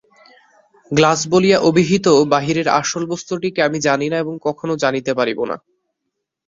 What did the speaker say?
Glass বলিয়া অভিহিত বাহিরের আসল বস্তুটিকে আমি জানি না এবং কখনও জানিতে পারিব না।